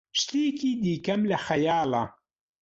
شتێکی دیکەم لە خەیاڵە.